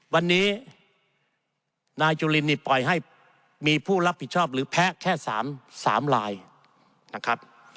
วันนี้นายจุลินนี่ปล่อยให้มีผู้รับผิดชอบหรือแพ้แค่๓ลายนะครับ